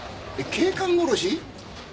警官殺し？